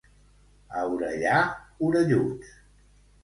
A Orellà, orelluts.